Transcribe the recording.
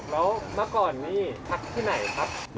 คุณลุงจุกแล้วมาก่อนนี่ชัดที่ไหนครับ